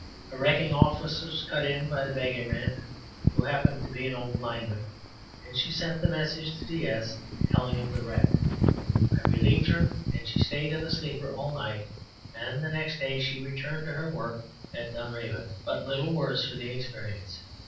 A wrecking office was cut in by the baggageman, who happened to be an old lineman, and she sent the message to "DS," telling him of the wreck. I relieved her and she stayed in the sleeper all night, and the next day she returned to her work at Dunraven, but little worse for the experience.